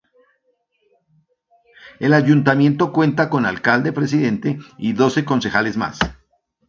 El ayuntamiento cuenta con alcalde-presidente y doce concejales más.